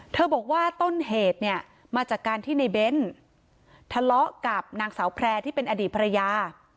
บอกว่าต้นเหตุเนี่ยมาจากการที่ในเบ้นทะเลาะกับนางสาวแพร่ที่เป็นอดีตภรรยา